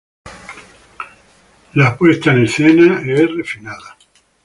La puesta en escena es refinada.